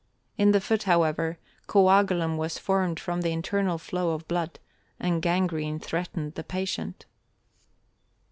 In the foot, however, coagulum was formed from the internal flow of blood and gangrene threatened the patient.